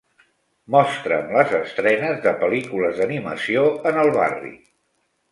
Mostra'm les estrenes de pel·lícules d'animació en el barri.